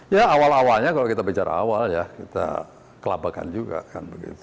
ya awal awalnya kalau kita bicara awal ya kita kelabakan juga kan begitu